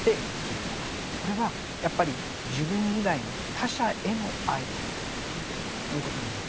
これはやっぱり自分以外の「他者への愛」なんだということなんだ。